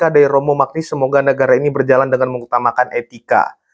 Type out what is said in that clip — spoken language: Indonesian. dan ada dari romo magni semoga negara ini berjalan dengan mengutamakan etika